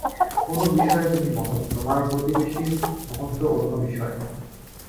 কোন বিষয়ে তুমি মহৎ, তোমার প্রতিবেশীর মহত্ত্ব অন্য বিষয়ে।